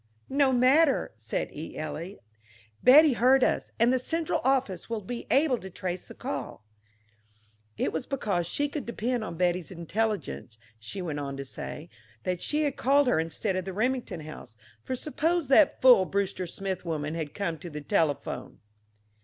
"No matter," said E. Eliot. "Betty heard us, and the central office will be able to trace the call." It was because she could depend on Betty's intelligence, she went on to say, that she had called her instead of the Remington house for suppose that fool Brewster Smith woman had come to the telephone!